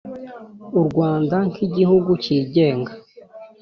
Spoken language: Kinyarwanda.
U Rwanda nk Igihugu cyigenga